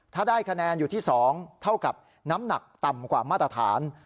ถ้าได้คะแนนอยู่ที่๒เท่ากับน้ำหนักต่ำกว่ามาตรฐาน